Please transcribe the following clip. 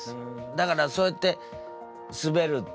だからそうやってスベるっていうね